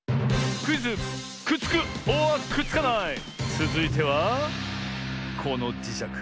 つづいてはこのじしゃく。